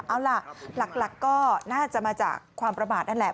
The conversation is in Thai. เอาล่ะหลักก็น่าจะมาจากความประมาทนั่นแหละ